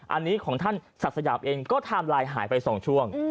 อันนี้ของท่านศักดิ์สยามเองก็ไทม์ไลน์หายไป๒ช่วง